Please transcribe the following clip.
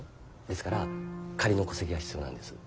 ですから仮の戸籍が必要なんです。